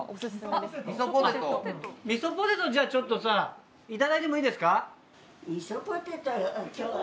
みそポテトじゃあちょっとさいただいてもいいですか？